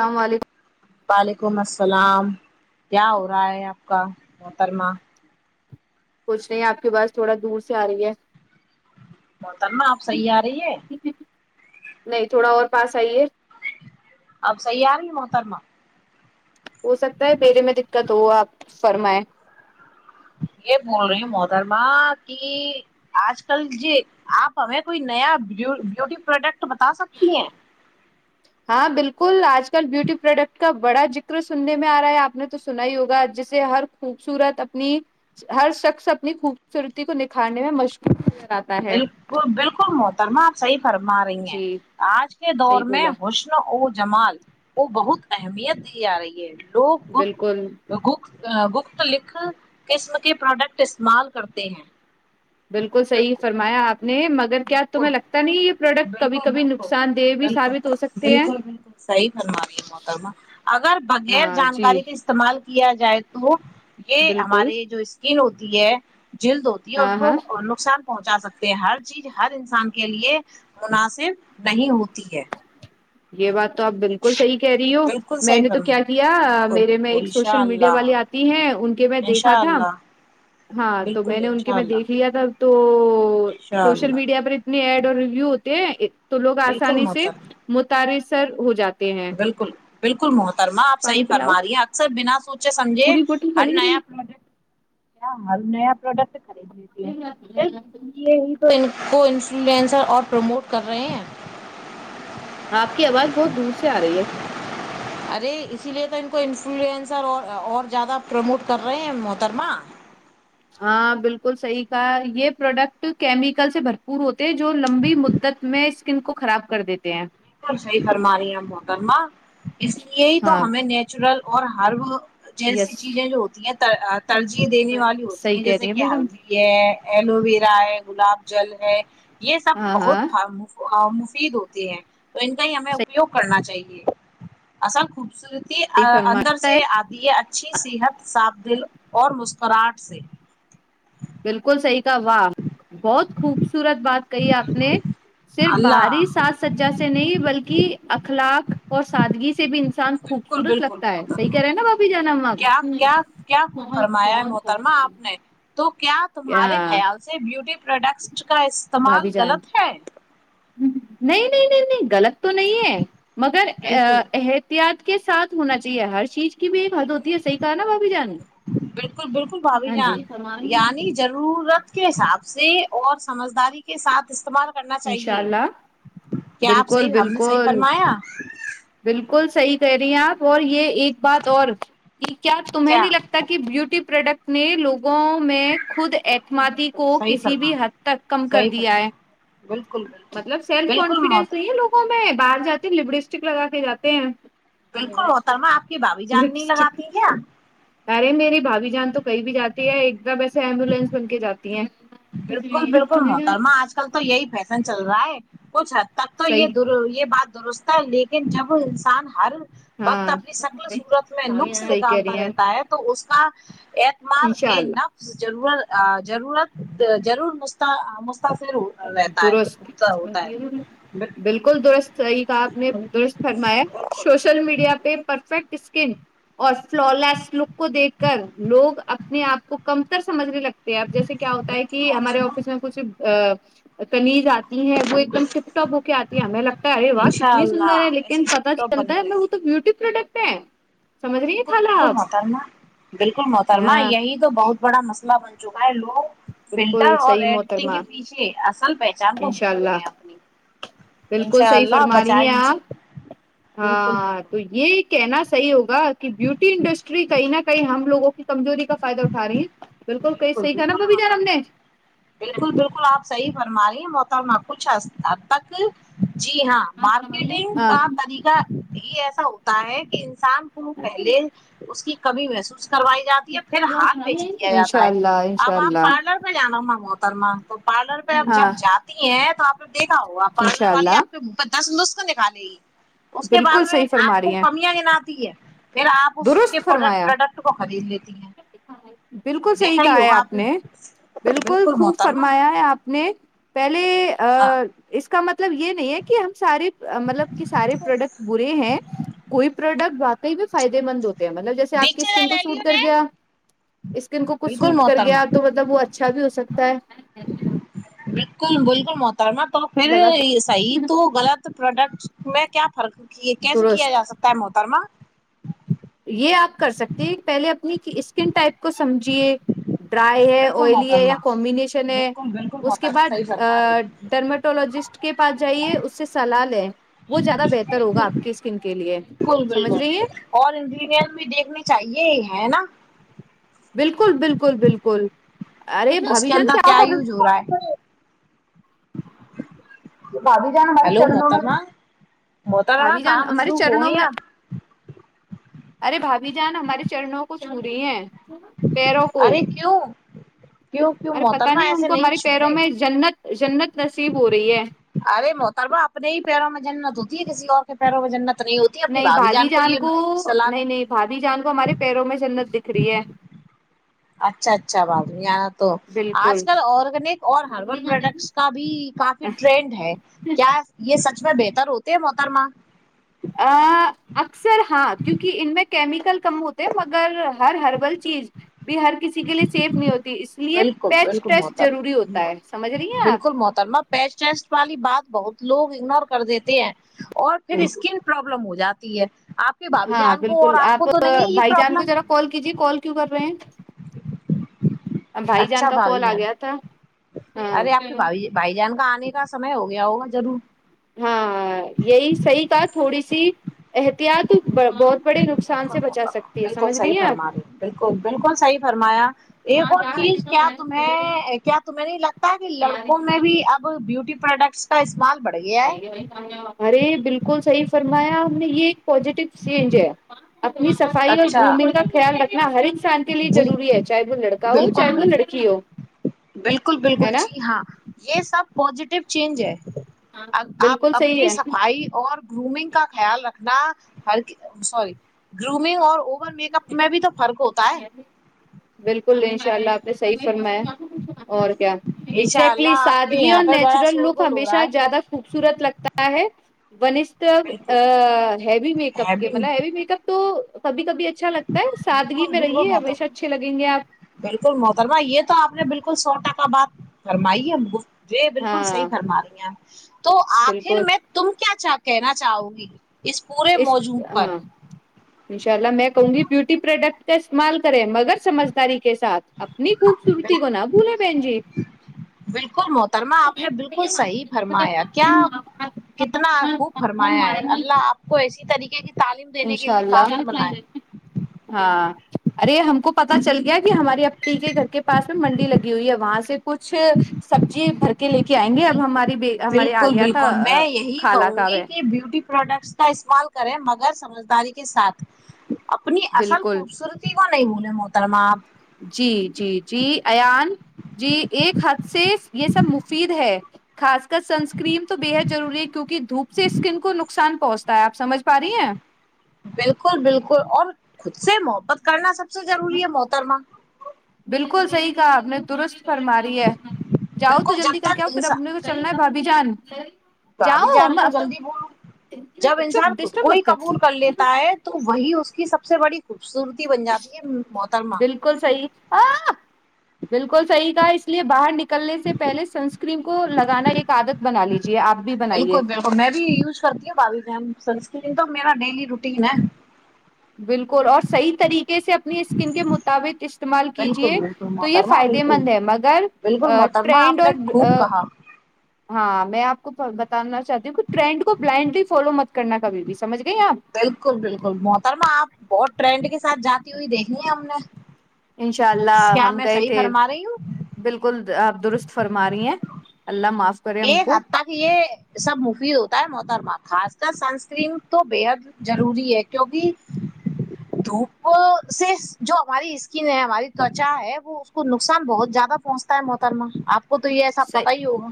اللام علیکم وعلیکم السلام سلام کیا ہو رہا ہے آپ کا محترما کچھ نہیں آپ کے پاس تھوڑا دور سے آ رہی ہے محترمہ آپ صحیح آ رہی ہے نہیں تھوڑا اور پاس آئیے اب سی ار نہیں محترما ہو سکتا ہے پیرے میں دقت ہو آپ [unintelligible] فرمائیں یہ بول رہے ہ محدرما کہ آج کل جی آپ ہمیں کوئی نیا بیوٹی پروڈکٹ تو بتا سکتی ہیں ہاں بالکل آج کل بیوٹی پروڈکٹ کا بڑا ذکر سننے میں آ رہا ہے آپ نے تو سنا ہی ہوگا جسے ہر خوبصورت اپنی ہر شخص اپنی خوبصورتی کو نکھارنے میں مشکور بالک بالکل مت ترم آپ سحب فرما رہی ہیں جی آج کے دور صحیح میں بولا حسن ا جمال وہ بہت اہمیت دی جا رہی ہے لوگ گ بالکل گ گخت لکھ قسم کے پروڈکٹ استعمال کرتے ہیں بالکل صحیح فرمایا آپ نے مگر کیا بالکل تمہیں لگتا نہیں یہ پروڈکٹ کبھی بالکل کبھی بالکل نقصان دہ بھی بالکل ثابت ہو سکتے ہیں بالکل بالکل صحیح فرما رہی ہے محترمہ اگر بغیر ہاں جی جانکاری کے استعمال کیا جائے تو یہ بالکل ہمارے جو اسکن ہو ہے جلد ہوتی ہے اور اس ہاں ہاں کو نقصان پہنچا سکتے ہیں ہر چیز ہر انسان کے لیے مناسب نہیں ہوتی ہے یہ بات تو آپ بالکل صحیح کہہ رہی ہو بالکل میں صحیح نے تو فرما کیا کیا بالکل میرے میں بالکل ایک انشاء سوشل میڈیا اللہ والی آتی ہیں ان کے میں دیکھا انشاء تھا اللہ ہاں تو بالکل میں نے ان کے انشاء میں دیکھ اللہ لیا تھا تو انشاء سوشل اللہ میڈیا پر اتنی ایڈ ریوو ہوتے تو لوگ بالکل آسانی سے محترمہ ار سر ہو جاتا بالکل بالکل محترمہ آپ پانی صحیح پلاؤ فرما رہی ہیں اکثر بنا اچھا سمجھے پوری بوٹل ہر خالی کرے نیا گی پروڈٹ کیا مال نیا پروڈکٹ خرید لیتی ہے صرف اس لیے ہی [inaudible] ان کو انفلوئنسر اور پروموٹ کر رہے ہیں آپ کی آواز بہت دور سے آ رہی ہے ارے اسی لیے تو ان کو انفلوئنسر اور اور زیادہ پروموٹ کر رہے ہیں محترمہ ہاں بالکل صحیح کا یہ پروڈکٹ کیمیکل سے بھرپور ہوتا جو لمبی مدت میں ن کو خراب کر دیتے ہیں بالکل صحیح فرما رہی ہیں محترما اس لیے ہی تو ہاں ہمیں نیچرل اور ہر جیسی یس چیزیں جو ہوتی ہیں ترجیح دینے والی ہوتی صحیح ہیں کہہ رہی جیسے کہ بیگم ہلدی ہے ایلو ویرا ہے گلاب جل ہے یہ سب ہاں بہت ہاں مفید ہوتے ہیں تو ان کا ہی ہمیں اپیوگ کرنا چاہیے ایصل خوبصورت صحیح اندر فرماتا ہے سے آتی ہے اچھی صحت صاف دل اور مسکراہٹ سے بالکل صحی واہ بہت خوبصورت بات کہی آپ نے بالکل صرف اللہ بھاری سااز سجا سے نہیں بلکہ اخلاق اور سادگی سے بھی انان بالکل خوبصورت بالکل لگتا ہے صحیح محترمہ کر رہے ہیں نا باپھی جانا کیا کیا کیا بہت فرمایا ہے بت محترمہ بتی آپ نے تو کیا تمہارے خیال سے بیوٹی پروڈکٹ کا استعمال بھابھی جان غلط ہے نہیں نہیں نہیں نہیں غلط تو نہیں ہے مگر بالکل احتیاط کے سھ ہونا چاہیے ہر چیز کی بھی ایک حد ہوتی ہے صحی کہا نا باپ بھی جان بالکل بالکل بھابھی ہاں جان جی یعنی ضرورت کے حساب سے اور سمجھداری کے ساتھ استعمال کرنا انشاء چاہیے اللہ کیا آپ بالکل صحیح ہم نے صحیح بالکل فرمایا بالکل صحیح کہ رہ ہیں آپ اور یہ ایک بات اور کہ کیا تمہیں نہیں لگتا کہ بیوٹی پروڈکٹ نے لوگ میں خود بالکل اعتمادی بالکل کو صحیح کسی فرما بھی رہی حد تک کم کر صحیح دیا فرما ہے رہی، بالکل بالکل مطلب سیلف بالکل کانفیڈینس محت نہیں ہے لوگوں میں باہر جاتے لبسٹک لگا کے جاتے ہیں بالکل محترما آپ کی بھابھی جان نہیں لپسٹک لگاتی کیا ارے میری بھابھی جان تو کہیں بھی جاتی ہے ایک دم ویسے ایمبولینس بن کے جاتی ہیں بالکل بالکل محترما آج کل تو یہی فی چل رہا ہے پچھا تب تو یہ صحیح د یہ بات درست لیکن جب انسان ہر وکت ہاں اپنی شکل سورت میں نقص صحیح کہہ نکالتا رہی ہیں رہتا ہے تو اس کو [inaudible] ایتمال انشاء ن اللہ ضرورت ضرورت تو ضرور مستق درست ہے بالکل درست صحیح کہا آپ نے درست فرمایا بالکل سوشل میڈیا پہ پرفیکٹ اس ن اور فلالس لک کو دیکھ کر لوگ اپنے آپ کو کم ر سج لگ اب جیسے کیا ہوتا ہے بالکل کہ ہمارے محترمہ آفس میں کچھ ک ن جات تی ہے وہ ایک دم بالکل ٹپٹپ ہو کے آتی ہے ہمیں لگتا ہے ارے واہ انشاء کتنی سندر ہے اللہ ایسی لیکن پتتا ٹپ ٹاپ چلتا بنی ہے میں رہے وہ تو بیوٹی پروڈکٹ ہے سمجھ رہی ہیں بالکل خالہ بالکل آپ محترما بالکل محترما ہاں یہی تو بہت بڑا مسئلہ بن جو ہے لوگ فلٹر بالکل اور صحیح ایڈٹنگ محترما کے پیچھے اصل پہچان کو انشاء بھول گئے ہیں اللہ اپنی بالکل انشاء صحیح اللہ فرما رہی بچائے ہیں ان سے آپ بالکل ہاں تو بالکل یہ کہنا صحیح ہوگا واھ کہ بوٹی انڈسٹری کئی نہ کئی ہم لوگوں کی کمزوری کا فائدہ اٹھا رہے ہیں بالکل کئی صحیح تھا نا ببی مت جان ہم نے بالکل بالکل آپ صحیح فرما رہے موت تا میں کچھ اس اب تک جی ہاں مارکیٹنگ ہاں کا طریقہ یہ ایسا ہوتا ہے کہ شام کو پہلے اس کی کمی محسوس کروائی جاتی ہے پھر حار بیچ دیا جاتا ہے انشاء اللہ انشاء اب آپ اللہ پارلر میں جانا ہو بہ محترمہ تو پارلر پہ اب جب ہاں جاتی ہیں تو آپ نے دیکھا ہوگا پارلر انشاء والی اللہ آپ کے دس نسخ نکالے گی اس کے بالکل بعد میں صحیح فرما آپ کو رہی ہیں کمیاں گنا تی ہے پھر آپ اس کے درست فرمایا پروڈکٹ کو خرید لیتے بالکل صحیح کہا ہے آپ نے بالکل خوب فرمایا ہے آپ نے پیک ہاں اس کا مطلب یہ نہیں ہے کہ ہم سارے مطلب کہ سارے پروڈکٹ برے ہیں کوئی پروڈکٹ بکے نہیں تو فائدے مند ہوتے مطلب جیس آپ کی دکچا اسکن کو لے لی سوٹ کر انہیں گیا اسکن کو کچھ بالکل سوٹ کر محترما گیا تو مطلب وہ اچھا اچھا بھی ہو سکتا ہے بالکل بالکل مو ترما تو پھر لگا صحیح کے تو غلط پروڈکٹس میں کیا فرق کی کیسے کیا درست جا سکتا ہے محترما یہ آپ کر سکتے ہیں پہلے اپنی اسکن ٹائپ کو سمجھیے ڈرائی ہے بالکل آئلی ہے یا محترما کومبینیشن ہے بالکل بالکل اس کے محترما بعد صحیح فرما رہی ہیں ڈرمٹولوجسٹ کے پاس جائیے اس سے سلاح لیں وہ زیادہ بہتر ہوگا آپ بالکل کی اسکن کے لیے بالکل سمجھ رہی بالکل ہے اور انگریڈینٹ بھی دیکھنے چاہیے ہے نا بالکل بالکل بالکل ارے اس بھابی کے جان اندر کیا کر یوز ہو رہا ہے بھاابھی جان ہمارے ہیلو چرنوں میں محترما محترما بھاابی جان کہاں ہمارے مصروف ہو چرنوں گئی میں آپ ارے بھابھی جان ہمارے چنوں کو چھوری ہے پیروں کو ارے کیوں کیوں کیوں ارے پتا محترما نہیں ان ایسے کو ہماری پیروں چھونے میں جنت جنت نصیب ہو رہی ہے ارے موتر میں اپپنے ہی پیروں میں جنت ہوتی ہے کسی اور کے پیروں میں جنت نہیں ہوتی اپنی نہیں بھابھی جان یہ کو صلاح دیں نہیں نہیں بھاابھی جان کو ہمارے پیروں میں جنت دکھ کریہ اچھا اچھا بات تو آج بالکل کل آرگینک اور ہربل پروڈکٹس کا بھی کافی ٹرینڈ ہے کیا یہ س اس میں بہتر ہوتے ہے محترماں ا اکثر ہاں کیونکہ ان میں کیمیکل کم ہوتے مگر ہر ہربل چیز بھی ہر کسی کے لیے سیف نہیں ہوتی اس لیے بالکل پیچ بالکل ٹیسٹ ضروری ہوتا محترمہ ہے سمجھ رہی ہیں آپ بالکل محترمہ پیچ ٹیسٹ والی بات بہت لوگ اگنور کر دیتے ہیں اور پھر آپ اسکن پرابلم ہو جاتی ہے آپ کے بھاابھی ہاں جان کو اور بالکل آپ کو تو نہیں ہے یہ بھائی جان کو پرابلم ذرا کال کیجیے کال کیوں کر رہے ہیں بھائی جان اچھا کا بھائی کال آ جان گیا تھا ارے آپ ہاں کے بھ بھائی جان کا آنا نے کا سمے ہو گیا ہوگا ضرور ہاں یہی صحیح کا تھوڑی سی احتیاط بہت بڑے نقصان سے بالکل بچا سکتی ہے بالکل سمجھ صحیح ہیں فرما آپ رہی بالکل بالکل صحیح فرمایا ایک اور چیز کیا تمیں کیا تمہیں نہیں لگتا کہ لڑکوں میں بھی اب بیوٹی پروڈکٹس کا استعمال بڑھ گیا ہے ارے بالکل صحی فرمایا یہ ایک پزیٹیو چینج ہے اپنی صفائی اور اچھا دومنگ کا خیال رکھنا ہر ایک انسان کے لیے بل ضروری ہے چاہے وہ لڑکا ہو بالکل چاہے وہ بالکل لڑکی ہو بالکل ہے بالکل نا جی ہاں یہ سب پزیٹیو چینج ہے آپ بالکل صحیح اپنی ہے صفائی اور گرومنگ کا خیال رکھ نہ ہر سوری گرومنگ اور اوور میک اپ میں بھی تو فرق ہوتا ہے بالکل ان شاء اللہ نے صحیح فرمایا اور کیا انشاء ایکزیکٹلی اللہ آپ کے سادگی یہاں اور پہ بڑا نیچرل لک شورغل ہو رہا ہمیشہ ہے زیادہ خوبصورت لگتا ہے وس بالکل ہیوی میک ہے اپ کے بھی مل ہیوی میک اپ تو کبھی کبھی اچھا لگتا ہے سادگی بالکل میں بالکل رہیے ہمیشہ محترمہ اچھے لگیں گے آپ بالکل محترمہ یہ تو آپ نے بالکل بالکل سو ٹکا بات فرمائی ہے گفت جی بالکل صحی ہاں فرما رہی ہیں [inaudible] تو آخر بالکل میں تم کیا چاہتا کہنا چاہو گی اس پورے اس موجوں پر ہاں انشاء اللہ میں کہوں گی بیوٹی پروڈکٹ کا استعمال کریں مگر سمجھداری کے ساتھ اپنی خوبصورتی بالکل کونا بولے بین جی بالکل محترما آپ نے بالکل صحیح فرمایا کیا کتنا خوب فرمایا ہے اللہ آپ کو ایسی طریقے کی تعلیم دینے کے انشاء لیے قابل بنائے اللہ ہاں ارے ہم کو پتا چل گیا کہ ہماری اپنی کے گھر کے پاس میں منڈی لگی ہوئی ہے وہاں سے کچھ سبزی بھر کے لے کے آئیں گے بالکل اب ہماری ہمارے آ بالکل گیا تھا بالکل میں یہی خالہ کہوں کاب گی کہ بیوٹی پروڈکٹس کا استعمال کریں مگر سمجھداری کے ساتھ اپنی اصل بالکل خوبصورتی کو نہیں بھول موترم جی جی جی ایان جی ایک حد سے یہ سب مفید ہے خاص کر سنسکریم تو بےحد ضروری ہے کیونکہ دھوپ سے اسکن کو نقصان پہنچتا ہے آپ سمجھ پا رہی ہیں بالکل بالکل اور خود سے محبت کرنا س ہ بالکل صحی کہا آپ نے تو فرماری ہے جاؤ تو بالکل جلدی جب کر کے تک آؤ پھر انسان اپنے کو چلنا ہے بھبھی جان بھابھی جاؤ جان کو جلدی بولوں جب چپ انسان خود کو ڈسٹرب ہی مت کر قبول لیتا ہے تو وہی اس کی سب سے بڑی خوبصورتی بن جاتی ہے محترما بالکل صی بالکل صحی تھا لیے باہر نکل کرلنے سے پہلے سنسکرین کو لگانا ایک عدت بنا لی ت بالکل بالکل میں بھی یوز کرتی ہ باوی جم سنک ج تو میرا ڈیلی روٹیین ہے بالکل اور صحیح طریقے سے اپنی اسکن کے مطابق استعمال بالکل کیجے بالکل تو یہ محترما فائدے بالکل مند ہے مگر بالکل محترمہ ٹرینڈ آپ نے اور خوب کہا ہاں میں آپ کو بتا چاہتی ہوں کہ ٹرینڈ کو بلائنڈلی فالو متب بالکل بالکل مترم آپ بہت ٹرینڈ کے ساتھ جاتی ہوئی دیکھنی ہے ہم نے انشاء اللہ کیا ہم میں گئے صحیح تھے فرما رہی ہوں بالکل آپ درست فرما رہی ہیں اللہ معاف کرے ہم ایک کو حد تک یہ سب مفی ہوتا ہے محترما خاص سنسکرین تو بے حد ضروری ہے کیوںکہ دھوپ سے جو ہماری اسکن ہے ہماری تچا ہے وہ اس کو نقصان بہت زیادہ پہنچتا ہے محترما آپ وہ تو ہی ایسا پتا ہی ہوگا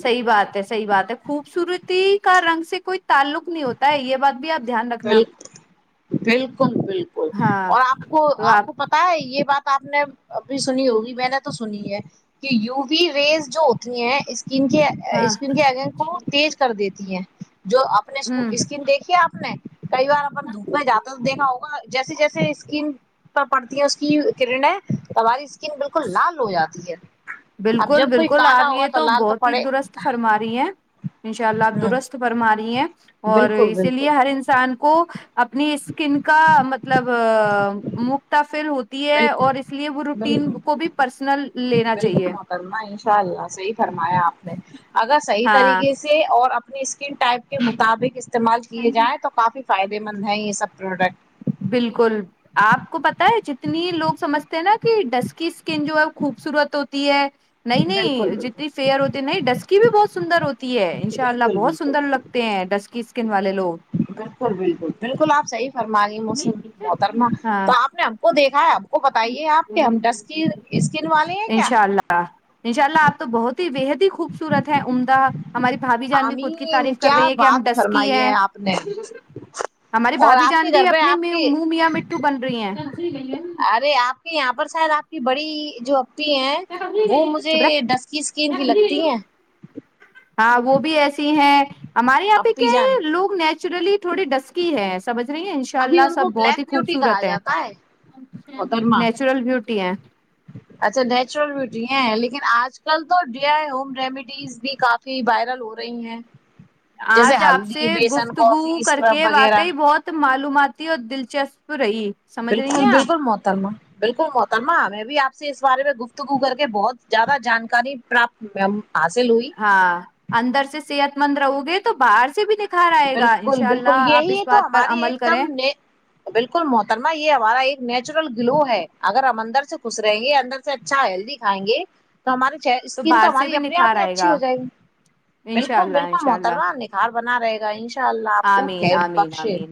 صحی بات ہے صحی بات ہے خوبصورتی کا رنگ سے کوئی تعلق نہیں ہوتا ہے یہ بات بھی آپ دھیان رکھنا بالکل بالکل بالکل ہاں اور آپ کو آپ کو پت ہے یہ بات آپ نے ابھی سنی ہوگی میں نے تو سنی ہے کہ یو وی ریز جو ہوتی ہیں اس اسکن کے ہاں اسکن کے اگیں کو تیز کر دیتی ہیں جو اپنے ہوں اسکن دیکھی ہے آپ نے کئی بار اپن دھوپ میں جا تو دیکھا ہوگا جیسے جیسے اسکین پر پڑتی ہے اس کی کرنیں ہماری ن بالکل لال ہو جاتی ہے اب بالکل جب کوئی بالکل کالا آپ ہوگا یہ تو لال بہت ہی پڑے درست فرما رہی ہیں ان شاء اللہ آپ ہ درست فرما رہی ہیں اور بالکل اسی بالکل بالکل لیے ہر انسان کو اپنی اسکن کا مطلب مکتا پھر ہو ہے اور بالکل اس لیے وہ روٹین کو بھی پرسنل لینا چ مکرم اناء اللہحیح فرمایا آپ نے اگر صحیح ہاں طریقے سے اور اپنے اپنی اسکن ٹائپ کے مطابق استعمال کیے جائیں تو کافی فائدے مند ہیں یہ سب پروڈکٹ بالکل آپ کو پت ہے جتنی لوگ سمجھتے ہیں نا کہ ڈسک اسکن جو ہے خوبصورت ہوتی ہے نہیں بالکل نہیں بالکل جتنی فیئر ہوتی نہیں ڈسک بھی بہت سندر ہو ہے ان شاء اللہ بالکل بہت بالکل سندر لگتے ہیں ڈسکی اسکن والے لوگ فرماریی موسم بترنا ہاں تو آپ نے ہم کو دیکھا ہے وہ بتائیے آپ کے ہمٹسک اسکن والے ہیں کیا انشاء اللہ انشاء اللہ آپ تو بہت ہی بےحد ہی خوبصورت ہے عمدہ ہماری بھابھی جان بھی خود کی آمین تعریف کر کیا رہی ہے کہ ہم بات ڈسک فرمائی ہیں ہے آپ نے ہماراری اور بھابھی آپ جان کے بھی گھر پہ اپنے آپ کے منہ میاں م بن رہی ہیں گئی ہے ارے آپ یہاں پر شاید آپ کی بڑی جو ہیں وہ مجھے چپ رہ ڈس کی اسکن کی لگتی ہیں ہاں وہ بھی ایسی ہیں ہمارے یہاں پہ اپی کیا جان ہے لو نچ نچرلی تھوڑی ڈسکی ہے سمجھ رہی ہیں ان شاء کبھی اللہ ان کو سب بہت بلیک ہی بیوٹی کہا خوبصورت ہے جاتا محترما نیچرل بیوٹی ہے اچھا نیچرل بیوٹی لیکن آج کل تو ڈی آئی ہوم ریمیڈیز بھی کافی وائرل ہو رہی ہیں جیسے آج آپ سے ہلدی بیسن کافی گفتگو کر اسکرب کے وغیرہ واقعی بہت معلوماتی اور دلچسپ رہی سمجھ رہی بالکل ہیں آپ بالکل موحترما بالکل محتما ہمیں بھی آپ سے اس بارے میں گفتگو کر کے بہت زیادہ جانکاری پراپت حاصل ہوئی ہاں اندر سے صحت مندرو گے تو باہر سے بھی دیکھ بالکل بالکل یہی تو پر ہماری ایک عمل کریں دم بالکل محترمہ یہ ہمارا ایک نیچرل گلو ہے اگر ہم اندر سے خس رہیں گے اندر سے اچھا ہیلدی کھائیں گے تو ہماری اسکن تو باہر سے ہماری بھی اپنے آپ نکھار ہی آئے اچھی گا ہو جائے گی انشاء بالکل اللہ بالکل انشاء اللہ محتربہ نکھار بنا رہے ہیں [inaudible] شاء اللہ اوک آمین ہے آمین بخشے آمین